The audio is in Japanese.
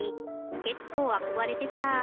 けっこうあこがれてた。